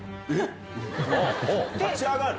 ほう立ち上がる。